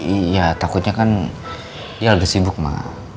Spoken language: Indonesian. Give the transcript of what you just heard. iya takutnya kan dia agak sibuk ma